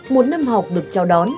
một năm học được chào đón